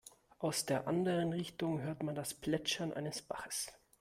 Aus der anderen Richtung hörte man das Plätschern eines Baches.